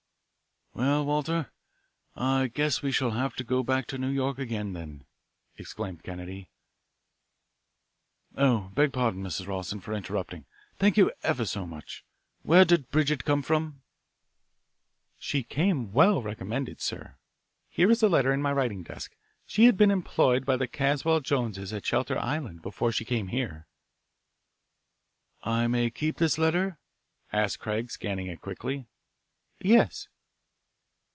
"Well, Walter, I guess we shall have to go back to New York again, then," exclaimed Kennedy. "Oh, I beg pardon, Mrs. Rawson, for interrupting. Thank you ever so much. Where did Bridget come from?" "She came well recommended, sir. Here is the letter in my writing desk. She had been employed by the Caswell Joneses at Shelter Island before she came here." "I may keep this letter" asked Craig, scanning it quickly. "Yes."